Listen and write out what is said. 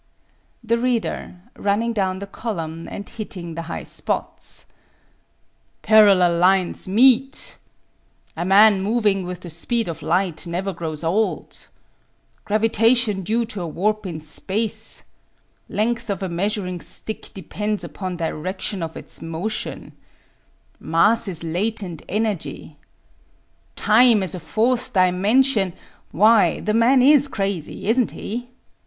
The Reader (running down the column and hitting the high spots) :" Parallel lines meet "—" a man moving with the speed of light never grows old "—" gravitation due to a warp in space "—" length of a measuring stick depends upon direc tion of its motion "—" mass is latent energy" — "time as a fourth dimen sion "— why, the man is crazy, isn't he?